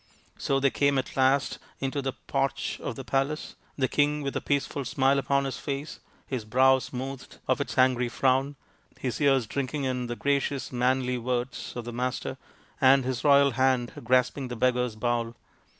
So they came at last into the porch of the palace, the king with a peaceful smile upon his face, his brow smoothed of its angry frown, his ears drinking in the gracious manly words of the Master, and his royal hand grasping the beggar's bowl.